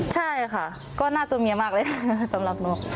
ใช่ค่ะก็น่าตัวเมียมากเลยสำหรับหนู